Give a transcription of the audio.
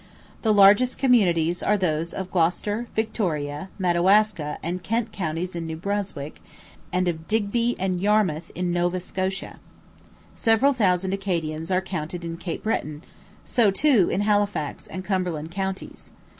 The largest communities are those of Gloucester, Victoria, Madawaska, and Kent counties in New Brunswick, and of Digby and Yarmouth in Nova Scotia. Several thousand Acadians are counted in Cape Breton; so, too, in Halifax and Cumberland counties.